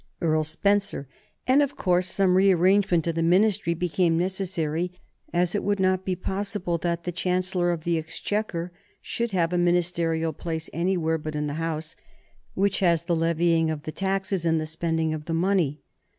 Earl Spencer, and of course some rearrangement of the Ministry became necessary, as it would not be possible that the Chancellor of the Exchequer should have a ministerial place anywhere but in the House which has the levying of the taxes and the spending of the money.